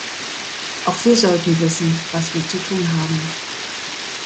Auch wir sollten wissen, was wir zu tun haben.